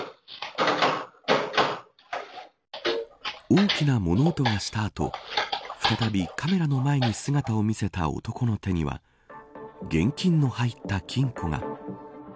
大きな物音がした後再びカメラの前に姿を見せた男の手には現金の入った金庫が。